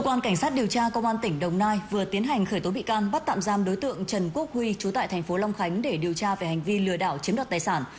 công an tp bà rê vũng tàu vừa tiến hành khởi tố bị can bắt tạm giam đối tượng trần quốc huy trú tại tp long khánh để điều tra về hành vi lừa đảo chiếm đoạt tài sản